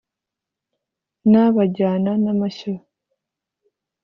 n bajyana n amashyo